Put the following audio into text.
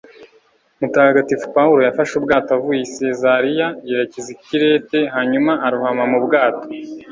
Mutagatifu Pawulo yafashe ubwato avuye i Sezariya yerekeza i Kirete hanyuma arohama mu bwato